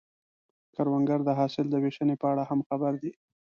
کروندګر د حاصل د ویشنې په اړه هم خبر دی